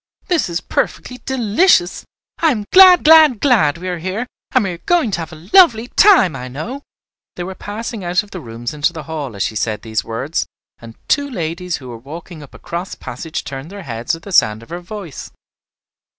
This is perfectly delicious. I am glad, glad, glad we are here, and we are going to have a lovely time, I know." They were passing out of the rooms into the hall as she said these words, and two ladies who were walking up a cross passage turned their heads at the sound of her voice.